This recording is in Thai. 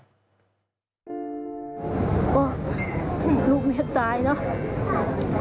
ก็ลูกเมียตายเนอะ